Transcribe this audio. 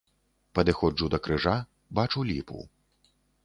Падыходжу да крыжа, бачу ліпу.